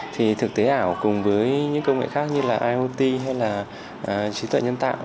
thì thực tế ảo cùng với những công nghệ khác như là iot hay là trí tuệ nhân tạo